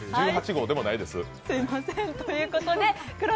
１８号でもないです。